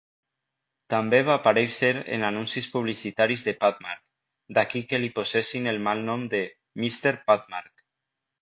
També va aparèixer en anuncis publicitaris de Pathmark, d'aquí que li posessin el malnom de "Mr. Pathmark".